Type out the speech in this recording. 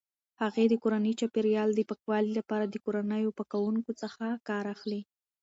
هغې د کورني چاپیریال د پاکوالي لپاره د کورنیو پاکونکو څخه کار اخلي.